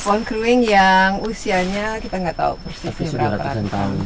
pohon keruing yang usianya kita tidak tahu persisnya berapa